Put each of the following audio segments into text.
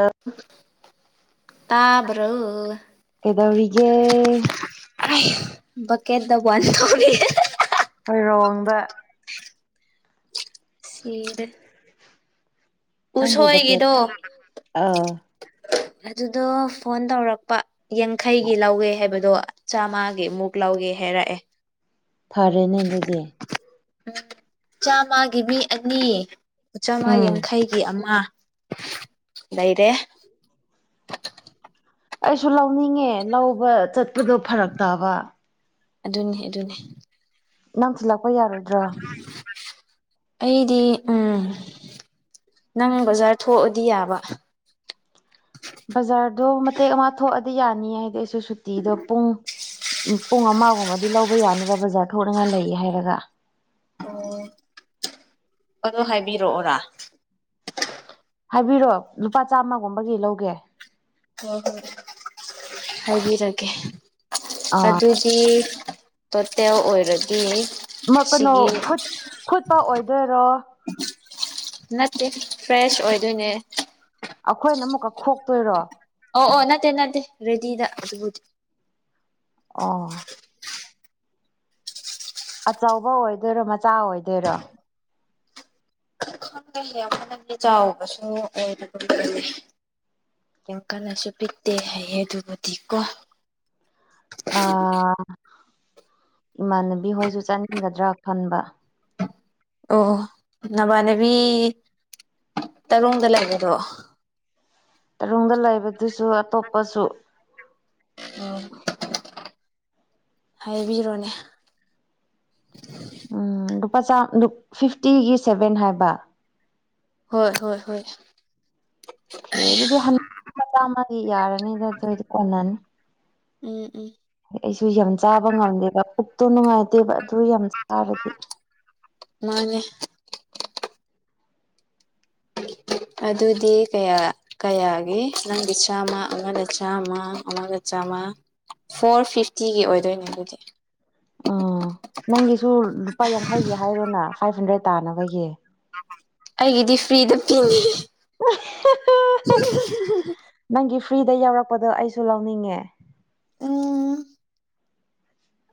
ꯑꯥ ꯇꯥꯕ꯭ꯔꯣ ꯀꯩꯗꯧꯔꯤꯒꯦ ꯇꯥꯏꯌꯦ ꯕꯀꯦꯠ ꯗ ꯋꯥꯟ ꯇꯧꯔꯤꯌꯦ [unintelligible] ꯔꯣꯡꯗ ꯁꯤꯔꯦ ꯅꯪꯕꯨ ꯕꯛꯀꯦꯠ ꯎꯁꯣꯏꯒꯤꯗꯣ ꯑꯥ ꯑꯗꯨꯗꯣ ꯐꯣꯟ ꯇꯧꯔꯛꯄ ꯌꯥꯡꯈꯩꯒꯤ ꯂꯧꯋꯦ ꯍꯥꯏꯕꯗꯣ ꯆꯥꯃꯒꯤ ꯑꯃꯨꯛ ꯂꯧꯒꯦ ꯍꯥꯏꯔꯛꯑꯦ ꯐꯔꯦꯅꯦ ꯑꯗꯨꯗꯤ ꯎꯝ ꯆꯥꯝꯃꯒꯤ ꯃꯤ ꯑꯅꯤ ꯆꯥꯝꯃ ꯎꯝ ꯌꯥꯡꯈꯩꯒꯤ ꯑꯃ ꯂꯩꯔꯦ ꯑꯩꯁꯨ ꯂꯧꯅꯤꯡꯉꯦ ꯂꯧꯕ ꯆꯠꯄꯗꯣ ꯐꯔꯛꯇꯥꯕ ꯑꯗꯨꯅꯤ ꯑꯗꯨꯅꯤ ꯅꯪ ꯊꯤꯜꯂꯛꯄ ꯌꯥꯔꯣꯏꯗ꯭ꯔꯥ ꯑꯩꯗꯤ ꯎꯝ ꯅꯪ ꯕꯖꯥꯔ ꯊꯣꯛꯑꯗꯤ ꯌꯥꯕ ꯕꯖꯥꯔꯗꯣ ꯃꯇꯦꯛ ꯑꯃ ꯊꯣꯛꯑꯗꯤ ꯌꯥꯅꯤ ꯍꯥꯏꯗꯤ ꯑꯩꯁꯨ ꯁꯨꯇꯤꯗꯣ ꯄꯨꯡ ꯎꯝ ꯄꯨꯡ ꯑꯃꯒꯨꯝꯕꯗꯤ ꯂꯧꯕ ꯌꯥꯅꯤꯕ ꯕꯖꯥꯔ ꯊꯣꯛꯅꯤꯡꯉꯥꯏ ꯂꯩ ꯍꯥꯏꯔꯒ ꯑꯣ ꯑꯗꯣ ꯍꯥꯏꯕꯤꯔꯛꯑꯣꯔꯥ ꯍꯥꯏꯕꯤꯔꯣ ꯂꯨꯄꯥ ꯆꯥꯃꯒꯨꯝꯕꯒꯤ ꯂꯧꯒꯦ ꯍꯣꯏ ꯍꯣꯏ ꯍꯥꯏꯕꯤꯔꯒꯦ ꯑꯥ ꯑꯗꯨꯗꯤ ꯇꯣꯇꯦꯜ ꯑꯣꯏꯔꯗꯤ ꯃꯥ ꯀꯩꯅꯣ ꯁꯤꯒꯤ ꯈꯨꯠ ꯈꯨꯠꯄ ꯑꯣꯏꯗꯣꯏꯔꯣ ꯅꯠꯇꯦ ꯐ꯭ꯔꯦꯁ ꯑꯣꯏꯗꯣꯏꯅꯦ ꯑꯈꯣꯏꯅ ꯑꯃꯨꯛꯀ ꯈꯣꯛꯇꯣꯏꯔꯣ ꯑꯣ ꯑꯣ ꯅꯠꯇꯦ ꯅꯠꯇꯦ ꯔꯦꯗꯤꯗ ꯑꯗꯨꯕꯨꯗꯤ ꯑꯣ ꯑꯆꯧꯕ ꯑꯣꯏꯗꯣꯏꯔꯣ ꯃꯆꯥ ꯑꯣꯏꯗꯣꯏꯔꯣ [unintelligible] ꯈ ꯑꯗꯨꯗꯤ ꯆꯑꯣ ꯁ ꯌꯦꯡ ꯀꯟꯅꯁꯨ ꯄꯤꯛꯇꯦ ꯍꯩꯌꯦ ꯑꯗꯨꯕꯨꯗꯤ ꯀꯣ ꯑꯥ ꯏꯃꯥꯟꯅꯕꯤ ꯍꯣꯏꯁꯨ ꯆꯠꯅꯤꯡꯒꯗ꯭ꯔꯥ ꯈꯟꯕ ꯑꯣ ꯑꯣ ꯅꯃꯥꯟꯅꯕꯤ ꯇꯔꯨꯡꯗ ꯂꯩꯕꯗꯣ ꯇꯔꯨꯡꯗ ꯂꯩꯕꯗꯨꯁꯨ ꯑꯇꯣꯞꯄꯁꯨ ꯑꯣ ꯍꯥꯏꯕꯤꯔꯣꯅꯦ ꯎꯝ ꯂꯨꯄꯥ ꯆ ꯐꯤꯐꯇꯤꯒꯤ ꯁꯦꯚꯦꯟ ꯍꯥꯏꯕ ꯍꯣꯏ ꯍꯣꯏ ꯍꯣꯏ ꯑꯣꯈꯦ ꯑꯗꯨꯗꯤ ꯍꯥꯃ ꯌꯥꯔꯅꯤꯗ ꯑꯗꯨꯗꯤ ꯀꯣꯟꯅꯅꯤ ꯎꯝ ꯎꯝ ꯑꯩꯁꯨ ꯌꯥꯝ ꯆꯥꯕ ꯉꯝꯗꯦꯕ ꯄꯨꯛꯇꯣ ꯅꯨꯡꯉꯥꯏꯇꯦꯕ ꯑꯗꯨ ꯌꯥꯝ ꯆꯥꯔꯗꯤ ꯃꯥꯅꯦ ꯑꯗꯨꯗꯤ ꯀꯌꯥ ꯀꯌꯥꯒꯤ ꯅꯪꯒꯤ ꯆꯥꯝꯃ ꯑꯃꯅ ꯆꯥꯝꯃ ꯑꯃꯒ ꯆꯥꯝꯃ ꯐꯣꯔ ꯐꯤꯐꯇꯤꯒꯤ ꯑꯣꯏꯗꯣꯏꯅꯦ ꯑꯗꯨꯗꯤ ꯎꯝ ꯅꯪꯒꯤꯁꯨ ꯂꯨꯄꯥ ꯌꯥꯡꯈꯩꯒꯤ ꯍꯥꯏꯔꯣꯅ ꯐꯥꯏꯚ ꯍꯟꯗ꯭ꯔꯦꯠ ꯇꯥꯅꯕꯒꯤ ꯑꯩꯒꯤꯗꯤ ꯐ꯭ꯔꯤꯗ ꯄꯤꯡꯉꯤ [unintelligible] ꯅꯪꯒꯤ ꯐ꯭ꯔꯤꯗ ꯌꯥꯎꯔꯛꯄꯗꯣ ꯑꯩꯁꯨ ꯂꯧꯅꯤꯡꯉꯦ ꯎꯝ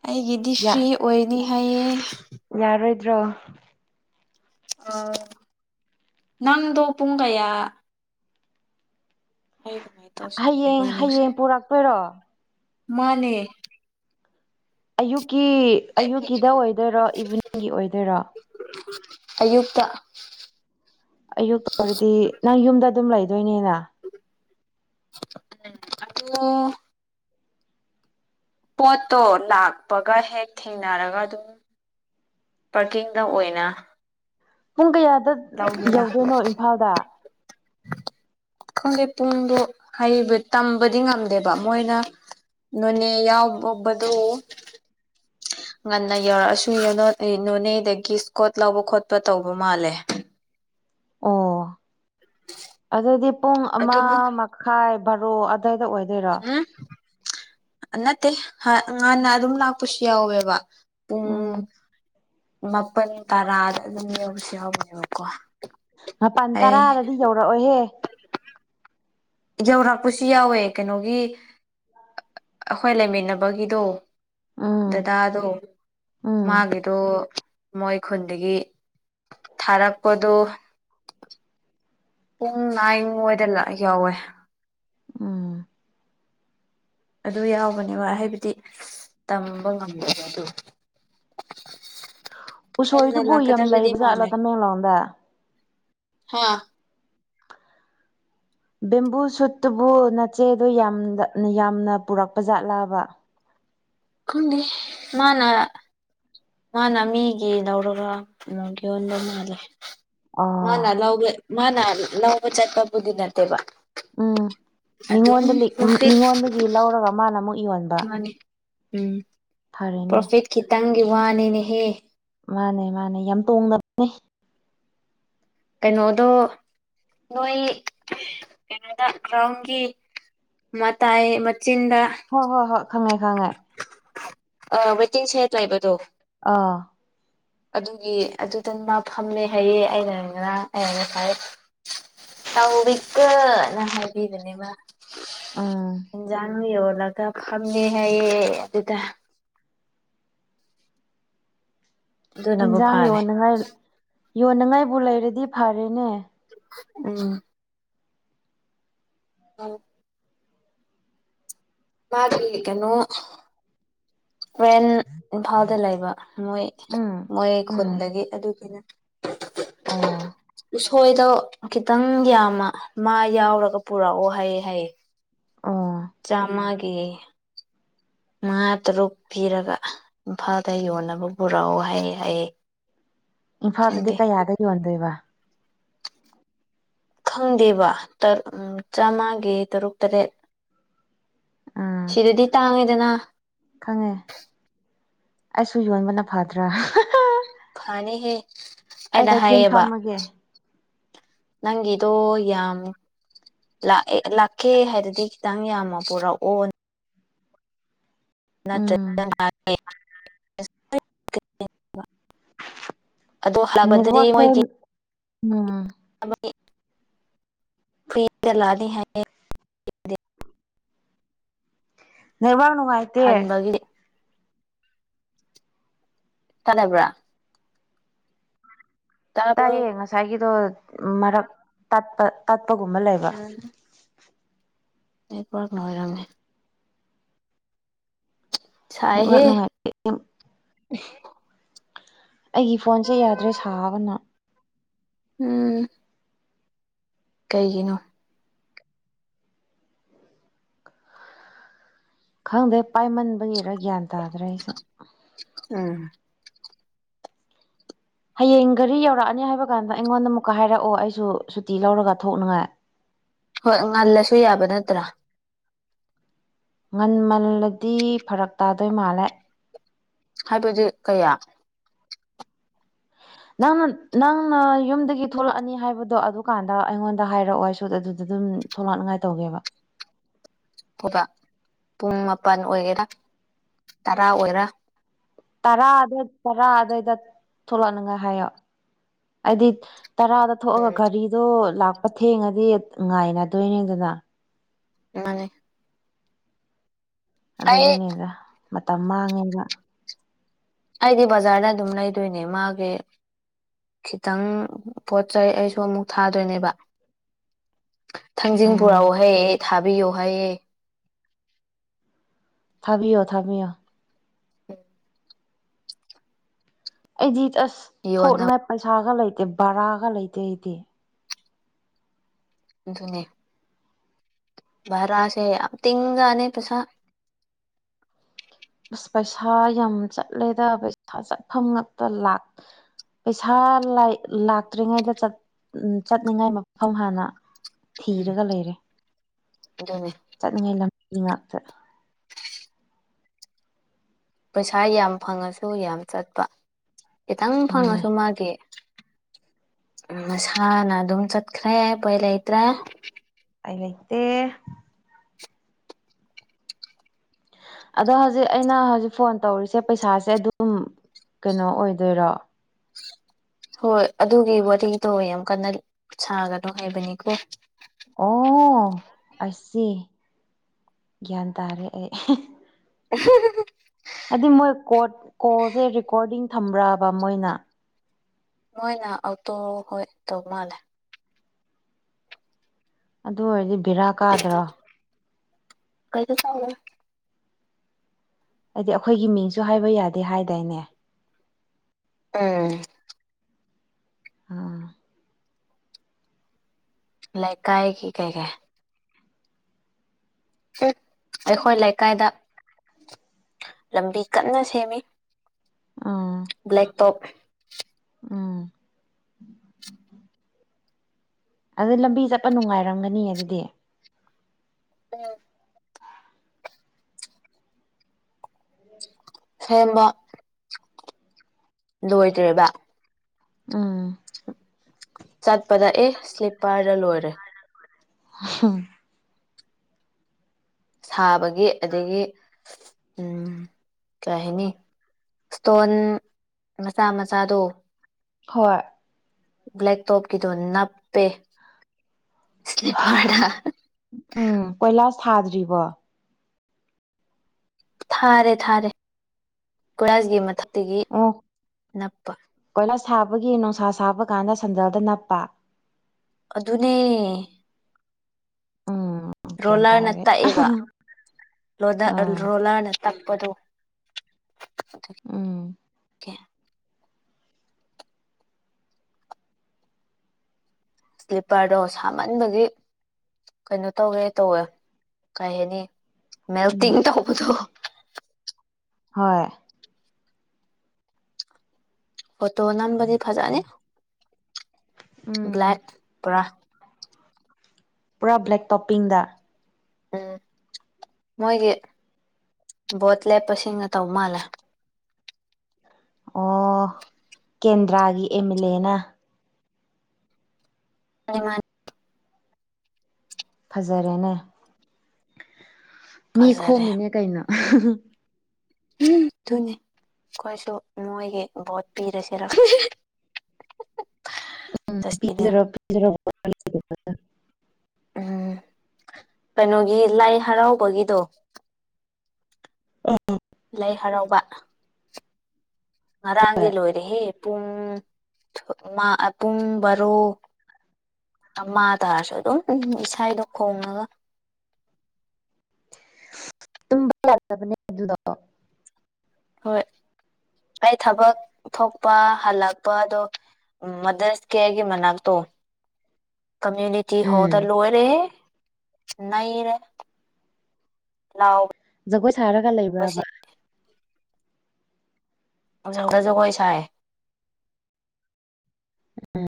ꯑꯩꯒꯤꯗꯤ ꯌꯥ ꯐ꯭ꯔꯤ ꯑꯣꯏꯅꯤ ꯍꯥꯏꯌꯦ ꯠꯇ꯭ꯔꯣ ꯑꯥ ꯅꯗꯣ ꯄꯨꯨꯡ ꯀꯌꯥ ꯑꯩ ꯀꯃꯥꯏꯅ ꯇꯧꯁꯤꯅꯣ ꯍꯌꯦꯡ ꯏꯕꯥꯅꯤꯁꯦ ꯍꯌꯦꯡ ꯄꯨꯔꯛꯇꯣꯏꯔꯣ ꯃꯥꯅꯦ ꯑꯌꯨꯛꯀꯤ ꯑꯩꯒꯤ ꯑꯌꯨꯛꯀꯤꯗ ꯑꯣꯏꯗꯣꯏꯔꯣ ꯏꯚꯤꯅꯤꯡꯒꯤꯗ ꯑꯣꯏꯗꯣꯏꯔꯣ ꯑꯌꯨꯛꯇ ꯑꯌꯨꯛꯇ ꯑꯣꯏꯔꯗꯤ ꯅꯪ ꯌꯨꯝꯗ ꯑꯗꯨꯝ ꯂꯩꯗꯣꯏꯅꯤꯅ ꯑꯣ ꯄꯣꯠꯇꯣ ꯂꯥꯛꯄꯒ ꯍꯦꯛ ꯊꯦꯡꯅꯔꯒ ꯑꯗꯨꯝ ꯄꯥꯔꯀꯤꯡꯗ ꯑꯣꯏꯅ ꯄꯨꯡ ꯀꯌꯥꯗ ꯂꯧꯒꯦꯔꯥ ꯌꯧꯗꯣꯏꯅꯣ ꯏꯝꯐꯥꯜꯗ ꯈꯪꯗꯦ ꯄꯨꯡꯗꯣ ꯍꯩꯔꯤꯕ ꯇꯝꯕꯗꯤ ꯉꯝꯗꯦꯕ ꯃꯣꯏꯅ ꯅꯣꯅꯦ ꯌꯥꯎ ꯑꯣꯕꯗꯣ ꯉꯟꯅ ꯌꯧꯔꯛꯑꯁꯨ ꯅꯣꯅꯦꯗꯒꯤ ꯏꯁꯀꯣꯠ ꯂꯧꯕ ꯈꯣꯠꯄ ꯇꯧꯕ ꯃꯥꯜꯂꯦ [inaudible] ꯑꯣ ꯑꯗꯨꯗꯤ ꯄꯨꯡ ꯑꯃ ꯑꯗꯨꯕꯨ ꯃꯈꯥꯏ ꯚꯔꯣ ꯑꯗꯥꯏꯗ ꯑꯣꯏꯗꯣꯏꯔꯣ ꯎꯝ ꯅꯠꯇꯦ ꯉꯥꯟꯅ ꯑꯗꯨꯝ ꯂꯥꯛꯄꯁꯨ ꯌꯥꯎꯋꯦꯕ ꯄꯨꯡ ꯎꯝ ꯃꯥꯄꯜ ꯇꯔꯥꯗ ꯑꯗꯨꯝ ꯌꯧꯁꯨ ꯌꯥꯎꯕꯅꯦꯕꯀꯣ ꯃꯄꯜ ꯑꯩ ꯇꯔꯥꯗꯗꯤ ꯌꯧꯔꯛꯑꯣꯍꯦ ꯌꯧꯔꯛꯄꯁꯨ ꯌꯥꯎꯋꯦ ꯀꯩꯅꯣꯒꯤ ꯑꯩꯈꯣꯏ ꯂꯩꯃꯤꯟꯅꯕꯒꯤꯗꯣ ꯎꯝ ꯗꯗꯥ ꯑꯗꯣ ꯎꯝ ꯃꯥꯒꯤꯗꯣ ꯃꯣꯏ ꯈꯨꯟꯗꯒꯤ ꯊꯥꯔꯛꯄꯗꯨ ꯄꯨꯡ ꯅꯥꯏꯅ ꯋꯥꯏꯗ ꯂꯥꯛ ꯌꯧꯋꯦ ꯎꯝ ꯑꯗꯨ ꯌꯥꯎꯕꯅꯦ ꯋꯥ ꯍꯥꯏꯕꯗꯤ ꯇꯝꯕ ꯉꯝꯗꯕ ꯑꯗꯨ ꯉꯟꯅ ꯎꯁꯣꯏꯗꯨꯕꯨ ꯌꯥꯝ ꯂꯥꯛꯀꯗꯕꯗꯤ ꯂꯩꯕꯖꯥꯠꯂꯣ ꯇꯃꯦꯡꯂꯣꯡꯗ ꯍꯥꯥ ꯕꯦꯝꯕꯨ ꯁꯨꯠꯇꯨꯕꯨ ꯅꯠꯆꯦꯗꯣ ꯌꯥꯝ ꯌꯥꯝꯅ ꯄꯨꯔꯛꯄꯖꯥꯠꯂꯕ ꯈꯪꯗꯦ ꯃꯥꯅ ꯃꯥꯅ ꯃꯤꯒꯤ ꯂꯧꯔꯒ ꯀꯩꯅꯣ ꯌꯣꯟꯕ ꯃꯥꯜꯂꯦ ꯑꯣ ꯃꯥꯅ ꯂꯩ ꯃꯥꯅ ꯂꯧꯕ ꯆꯠꯄꯕꯨꯗꯤ ꯅꯠꯇꯦꯕ ꯎꯝ ꯑꯗꯨꯝ ꯃꯤꯉꯣꯟꯗ ꯂꯤꯛ- ꯃꯛꯇꯠ ꯃꯤꯉꯣꯟꯗꯒꯤ ꯂꯧꯔꯒ ꯃꯥꯅ ꯑꯃꯨꯛ ꯌꯣꯟꯕ ꯅꯤ ꯎꯝ ꯐꯔꯦꯅꯦ ꯄ꯭ꯔꯣꯐꯤꯠ ꯈꯤꯇꯪꯒꯤ ꯋꯥꯅꯤꯅꯦꯍꯦ ꯃꯥꯅꯦ ꯃꯥꯅꯦ ꯌꯥꯝ ꯇꯣꯡꯗꯕꯅꯦ ꯀꯩꯅꯣꯗꯣ ꯅꯣꯏ ꯀꯩꯅꯣꯗ ꯒ꯭ꯔꯥꯎꯟꯒꯤ ꯃꯇꯥꯏ ꯃꯆꯤꯟꯗ ꯍꯣꯏ ꯍꯣꯏ ꯍꯣꯏ ꯈꯪꯉꯦ ꯈꯪꯉꯦ ꯑꯥ ꯋꯦꯇꯤꯡ ꯁꯦꯠ ꯂꯩꯕꯗꯣ ꯑꯥ ꯑꯗꯨꯒꯤ ꯑꯗꯨꯗ ꯃꯥ ꯐꯝꯃꯦ ꯍꯥꯏꯌꯦ ꯑꯩꯅ ꯉꯥꯏ ꯑꯦ ꯇꯧꯕꯤꯀꯣꯅ ꯍꯥꯏꯕꯤꯕꯅꯦ ꯎꯝ ꯏꯟꯖꯥꯡꯕꯤ ꯌꯣꯜꯂꯒ ꯐꯝꯅꯤ ꯍꯥꯏꯌꯦ ꯑꯗꯨꯗ ꯑꯗꯨꯅꯕꯨ ꯏꯟꯁꯥꯡ ꯐꯔꯦ ꯌꯣꯟꯅꯉꯥꯏ ꯌꯣꯟꯅꯉꯥꯏꯕꯨ ꯂꯩꯔꯗꯤ ꯐꯔꯦꯅꯦ ꯎꯝ ꯑꯥ ꯃꯥꯒꯤ ꯀꯩꯅꯣ ꯐ꯭ꯔꯦꯟ ꯏꯝꯐꯥꯜꯗ ꯂꯩꯕ ꯃꯣꯏ ꯎꯝ ꯃꯣꯏ ꯎꯝ ꯈꯨꯟꯗꯒꯤ ꯑꯗꯨꯒꯤꯅꯦ ꯑꯣ ꯊꯣꯏꯗꯣ ꯈꯤꯇꯪ ꯌꯥꯝꯃ ꯃꯥ ꯌꯥꯎꯔꯒ ꯄꯨꯔꯛꯑꯣ ꯍꯥꯏꯌꯦ ꯍꯥꯏꯌꯦ ꯑꯣ ꯆꯝꯃꯒꯤ ꯎ [inaudible] ꯃꯉꯥ ꯇꯔꯨꯛ ꯄꯤꯔꯒ ꯏꯝꯐꯥꯜꯗ ꯌꯣꯟꯅꯕ ꯄꯨꯔꯛꯑꯣ ꯍꯥꯏ ꯍꯥꯏꯌꯦ ꯏꯝꯐꯥꯜꯗꯗꯤ ꯈꯪꯗꯦ ꯀꯌꯥꯗ ꯌꯣꯟꯗꯣꯏꯕ ꯈꯪꯗꯦꯕ ꯆꯥꯝꯃꯒꯤ ꯇꯔꯨꯛ ꯇꯔꯦꯠ ꯎꯝ ꯁꯤꯗꯗꯤ ꯇꯥꯡꯉꯤꯗꯅ ꯈꯪꯉꯦ ꯑꯩꯁꯨ ꯌꯣꯟꯕꯅ ꯐꯗ꯭ꯔꯥ ꯍꯥꯍꯥ ꯐꯅꯤꯍꯦ ꯑꯩꯅ ꯀꯩꯊꯦꯜ ꯍꯥꯏꯌꯦꯕ ꯐꯝꯃꯒꯦ ꯅꯪ ꯒꯤꯗꯣ ꯌꯥꯝ ꯂꯥꯛꯑꯦ ꯂꯥꯛꯀꯦ ꯍꯥꯏꯔꯗꯤ ꯈꯤꯇꯪ ꯌꯥꯝꯃ ꯄꯨꯔꯛꯑꯣ [unintelligible] ꯎꯝ ꯑꯗꯣ ꯍꯜꯄꯗꯗꯤ ꯅꯦꯠꯋꯥꯛꯇ ꯃꯣꯏꯒꯤ ꯎꯝ [unintelligible] ꯅꯦꯠꯋꯥꯔꯛ ꯅꯨꯡꯉꯥꯏꯇꯦ ꯍꯟꯕꯒꯤ ꯇꯗꯕ꯭ꯔꯥ ꯇꯥꯏꯌꯦ ꯉꯁꯥꯏꯒꯤꯗꯣ ꯃꯔꯛ ꯇꯠꯄ ꯇꯠꯄꯒꯨꯝꯕ ꯂꯩꯕ ꯅꯦꯠꯋꯥꯔꯛꯅ ꯑꯣꯏꯔꯝꯃꯦ ꯅꯦꯠꯋꯥꯔꯛ ꯁꯥꯏꯍꯦ ꯅꯨꯡꯉꯥꯏꯇꯦ ꯑꯩꯒꯤ ꯐꯣꯟꯁꯦ ꯌꯥꯗ꯭ꯔꯦ ꯁꯥꯕꯅ ꯎꯝ ꯀꯩꯒꯤꯅꯣ ꯈꯪꯗꯦ ꯄꯥꯏꯃꯟꯕꯒꯤꯔꯥ ꯒ꯭ꯌꯥꯟ ꯇꯥꯗ꯭ꯔꯦ ꯑꯩꯁꯨ ꯎꯝ ꯍꯌꯦꯡ ꯒꯥꯔꯤ ꯌꯧꯔꯛꯑꯅꯤ ꯍꯥꯏꯕ ꯀꯥꯟꯗ ꯑꯩꯉꯣꯟꯗ ꯑꯃꯨꯛꯀ ꯍꯥꯏꯔꯛꯑꯣ ꯑꯩꯁꯨ ꯁꯨꯇꯤ ꯂꯧꯔꯒ ꯊꯣꯛꯅꯤꯉꯥꯏ ꯍꯣꯏ ꯉꯜꯂꯁꯨ ꯌꯥꯕ ꯅꯠꯇ꯭ꯔꯥ ꯉꯟꯃꯜꯂꯗꯤ ꯐꯔꯛ ꯇꯥꯗꯣꯏ ꯃꯥꯜꯂꯦ ꯍꯥꯏꯕꯗꯤ ꯀꯌꯥ [inaudible] ꯅꯪꯅ ꯅꯪꯅ ꯌꯨꯝꯗꯒꯤ ꯊꯣꯛꯂꯛꯑꯅꯤ ꯍꯥꯏꯕꯗꯣ ꯑꯗꯨꯀꯥꯟꯗ ꯑꯩꯉꯣꯟꯗ ꯍꯥꯏꯔꯛꯑꯣ ꯑꯩꯁꯨꯨ ꯑꯗꯨꯗ ꯑꯗꯨꯝ ꯊꯣꯛꯂꯛꯅꯤꯡꯉꯥꯏ ꯇꯧꯒꯦꯕ ꯑꯣꯏꯕ ꯄꯨꯡ ꯃꯥꯄꯜ ꯑꯣꯏꯒꯦꯔꯥ ꯇꯔꯥ ꯑꯣꯏꯒꯦꯔꯥ ꯇꯔꯥ ꯑꯗꯨ ꯇꯔꯥ ꯑꯗꯨꯋꯥꯏꯗ ꯊꯣꯛꯂꯛꯅꯤꯉꯥꯏ ꯍꯥꯏꯌꯣ ꯍꯥꯏꯗꯤ ꯇꯔꯥꯗ ꯊꯣꯛꯑꯒ ꯎꯝ ꯒꯥꯔꯤꯗꯣ ꯂꯥꯛꯄ ꯊꯦꯡꯉꯗꯤ ꯉꯥꯏꯅꯗꯣꯏꯅꯦꯗꯅ ꯃꯥꯅꯦ ꯑꯩ ꯑꯗꯨꯒꯤꯅꯤꯗ ꯃꯇꯝ ꯃꯥꯡꯉꯦꯕ ꯑꯩꯗꯤ ꯕꯖꯥꯔꯗ ꯑꯗꯨꯝ ꯂꯩꯗꯣꯏꯅꯦ ꯃꯥꯒꯤ ꯈꯤꯇꯪ ꯄꯣꯠ ꯆꯩ ꯑꯩꯁꯨ ꯑꯃꯨꯛ ꯊꯥꯗꯣꯏꯅꯦꯕ ꯊꯥꯡꯖꯤꯡ ꯄꯨꯔꯛꯎ ꯎꯝ ꯍꯥꯢꯌꯦ ꯊꯥꯕꯤꯌꯣ ꯍꯥꯏꯑꯦ ꯊꯥꯕꯤꯌꯣ ꯊꯥꯕꯤꯌꯣ ꯎꯝ ꯑꯩꯗꯤ ꯑꯁ ꯌꯣꯟꯅꯕ ꯊꯣꯛꯅꯤꯉꯥꯏ ꯄꯩꯁꯥꯒ ꯂꯩꯇꯦ ꯕꯔꯥꯒ ꯂꯩꯇꯦ ꯑꯩꯗꯤ ꯑꯗꯨꯅꯦ ꯕꯔꯥꯁꯦ ꯌꯥꯝ ꯇꯤꯡꯖꯅꯦ ꯄꯩꯁꯥ ꯑꯁ ꯄꯩꯁꯥ ꯌꯥꯝ ꯆꯠꯂꯦꯗ ꯄꯩꯁꯥ ꯆꯠꯐꯝ ꯉꯥꯛꯇ ꯂꯥꯛ ꯄꯩꯁꯥ ꯂꯥꯛ ꯂꯥꯛꯇ꯭ꯔꯤꯉꯩꯗ ꯆꯠꯅꯤꯡꯉꯥꯏ ꯃꯐꯝ ꯍꯥꯟꯅ ꯎꯝ ꯊꯤꯔꯒ ꯂꯩꯔꯦ ꯑꯗꯨꯅꯦ ꯆꯠꯅꯤꯡꯉꯥꯏ ꯂꯝꯕꯤ ꯉꯥꯛꯇ ꯄꯩꯁꯥ ꯌꯥꯝ ꯐꯪꯉꯁꯨ ꯌꯥꯝ ꯆꯠꯄ ꯈꯤꯇꯪ ꯃꯥꯅꯦ ꯐꯪꯉꯁꯨ ꯃꯥꯒꯤ ꯃꯁꯥꯅ ꯑꯗꯨꯝ ꯆꯠꯈ꯭ꯔꯦ ꯎꯄꯥꯢ ꯂꯩꯇ꯭ꯔꯦ ꯎꯄꯥꯏ ꯂꯩꯇꯦ ꯑꯗꯣ ꯍꯧꯖꯤꯛ ꯑꯩꯅ ꯍꯧꯖꯤꯛ ꯐꯣꯟ ꯇꯧꯔꯤꯖꯦ ꯄꯩꯁꯥꯁꯦ ꯑꯗꯨꯝ ꯀꯩꯅꯣ ꯑꯣꯏꯗꯣꯏꯔꯣ ꯍꯣꯏ ꯑꯗꯨꯒꯤ ꯋꯥꯔꯤꯗꯣ ꯌꯥꯝ ꯀꯟꯅ ꯁꯥꯒꯅꯣ ꯍꯥꯏꯕꯅꯤꯀꯣ ꯑꯣ ꯑꯩꯁꯤ ꯒ꯭ꯌꯥꯟ ꯇꯥꯔꯦ ꯑꯩ [unintelligible] ꯍꯥꯏꯗꯤ ꯃꯣꯏ ꯀꯣꯜꯁꯦ ꯔꯦꯀꯣꯔꯗꯤꯡ ꯊꯝꯕ꯭ꯔꯕ ꯃꯣꯏꯅ ꯃꯣꯏꯅ ꯑꯇꯣ ꯍꯣꯏ ꯇꯧ ꯃꯥꯜꯂꯦ ꯑꯗꯨ ꯑꯣꯏꯔꯗꯤ ꯚꯦꯔꯥ ꯀꯥꯗ꯭ꯔꯣ ꯀꯩꯁꯨ ꯀꯥꯔꯣꯏ ꯍꯥꯏꯗꯤ ꯑꯩꯈꯣꯏꯒꯤ ꯃꯤꯡꯁꯨ ꯍꯥꯏꯕ ꯌꯥꯗꯦ ꯍꯥꯏꯗꯥꯏꯅꯦ ꯎꯝ ꯑꯥ ꯂꯩꯀꯥꯏ ꯒꯤ ꯀꯩ ꯀꯩ ꯑꯩꯈꯣꯏ ꯂꯩꯀꯥꯏꯗ ꯂꯝꯕꯤ ꯀꯟꯅ ꯁꯦꯝꯃꯤ ꯎꯝ ꯕ꯭ꯂꯦꯛ ꯇꯣꯞ ꯎꯝ ꯑꯗꯨ ꯂꯝꯕꯤ ꯆꯠꯄ ꯅꯨꯡꯉꯥꯏꯔꯝꯒꯅꯤ ꯑꯗꯨꯗꯤ ꯎꯝ ꯁꯦꯝꯕ ꯂꯣꯏꯗ꯭ꯔꯤꯕ ꯎꯝ ꯆꯠꯄꯗ ꯑꯦ ꯁ꯭ꯂꯤꯞꯄꯔꯗ ꯂꯣꯏꯔꯦ ꯍꯪ ꯁꯥꯕꯒꯤ ꯑꯗꯒꯤ ꯎꯝ ꯀꯩ ꯍꯥꯏꯅꯤ ꯏꯁꯇꯣꯟ ꯃꯆꯥ ꯃꯆꯥꯗꯣ ꯍꯣꯏ ꯕ꯭ꯂꯦꯛ ꯇꯣꯞꯀꯤꯗꯣ ꯅꯞꯄꯦ ꯏꯁꯂꯤꯞꯄꯔꯗ ꯍꯤꯍꯥ ꯎꯝ ꯀꯣꯏꯂꯥꯁ ꯊꯥꯗ꯭ꯔꯤꯕꯣ ꯊꯥꯔꯦ ꯊꯥꯔꯦ ꯀꯣꯏꯂꯥꯁꯒꯤ ꯃꯊꯛ ꯇꯒꯤ ꯅꯞꯄ ꯁꯥꯕꯒꯤ ꯅꯨꯡꯁꯥ ꯁꯥꯕ ꯀꯥꯟꯗ ꯁꯦꯟꯗꯜꯗ ꯅꯞꯄ ꯑꯗꯨꯅꯦ ꯎꯝ ꯒ꯭ꯌꯥꯟ ꯔꯣꯂꯔꯅ ꯇꯥꯔꯦ ꯇꯛꯑꯦꯕ ꯑꯥ ꯔꯣꯂꯔꯅ ꯇꯄꯗꯣ ꯎꯝ ꯁ꯭ꯂꯤꯞꯄꯔꯗꯣ ꯁꯥꯃꯟꯕꯒꯤ ꯀꯩꯅꯣ ꯇꯧꯔꯦ ꯇꯧꯋꯦ ꯀꯩ ꯍꯥꯏꯅꯤ ꯎꯝ ꯃꯦꯜꯇꯤꯡ ꯇꯧꯕꯗꯣ ꯍꯣꯏ ꯐꯣꯇꯣ ꯅꯝꯕꯗꯤ ꯐꯖꯅꯤ ꯎꯝ ꯕ꯭ꯂꯦꯛ ꯄꯨꯔꯥ ꯄꯨꯔꯥ ꯕ꯭ꯂꯦꯛ ꯇꯣꯞꯄꯤꯡꯗ ꯎꯝ ꯃꯣꯏꯒꯤ ꯕꯣꯠ ꯂꯦꯞꯄꯁꯤꯡꯅ ꯇꯧ ꯃꯥꯜꯂꯦ ꯑꯣ ꯀꯦꯟꯗ꯭ꯔꯥꯒꯤ ꯑꯦꯝ ꯑꯦꯜ ꯑꯦꯅ [unintelligible] ꯐꯖꯔꯦꯅꯦ ꯃꯤ ꯐꯖꯔꯦ ꯈꯣꯝꯃꯤꯅꯦ ꯀꯩꯅꯣ [unintelligible] ꯎꯝ ꯑꯗꯨꯅꯤ ꯑꯩꯈꯣꯏꯁꯨ ꯃꯣꯏꯒꯤ ꯚꯣꯠ ꯄꯤꯔꯁꯤꯔ ꯍꯤꯍꯤꯍꯤ [unintelligible] ꯎꯝ ꯀꯩꯅꯣꯒꯤ ꯂꯥꯏ ꯍꯔꯥꯎꯕꯒꯤꯗꯣ ꯂꯩ ꯍꯔꯥꯎꯕ ꯉꯔꯥꯡꯗꯤ ꯂꯣꯏꯔꯦꯍꯦ ꯄꯨꯡ ꯃꯥ ꯄꯨꯡ ꯕꯥꯔꯣ ꯑꯃꯥ ꯇꯥꯔꯁꯨ ꯑꯗꯨꯝ ꯏꯁꯥꯗꯣ ꯈꯣꯡꯉꯒ [inaudible] [unintelligible] ꯕꯅꯦ ꯑꯗꯨꯗꯣ ꯍꯣꯏ ꯑꯩ ꯊꯕꯛ ꯊꯣꯛꯄ ꯍꯜꯂꯛꯄ ꯑꯗꯣ ꯎ ꯃꯗꯔꯁ ꯀꯦꯌꯔꯒꯤ ꯃꯅꯥꯛꯇꯣ [inaudible] ꯀꯃꯨꯅꯤꯇꯤ ꯎꯝ ꯍꯣꯜꯗ ꯂꯣꯏꯔꯦꯍꯦ ꯅꯩꯔꯦ ꯅꯥꯎ ꯖꯒꯣꯏ ꯁꯥꯔꯒ ꯂꯩꯕ꯭ꯔꯕ ꯁꯗꯁꯨ ꯖꯒꯣꯏ ꯁꯥꯏ ꯎꯝ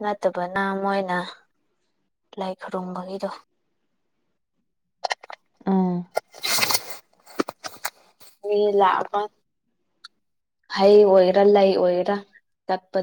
ꯅꯠꯇꯕꯅ ꯃꯣꯏꯅ ꯂꯥꯏ ꯈꯨꯔꯨꯝꯕꯒꯤꯗꯣ ꯎꯝ [unintelligible] ꯍꯩ ꯑꯣꯏꯔꯥ ꯂꯩ ꯑꯣꯏꯦꯔꯥ ꯀꯠꯄ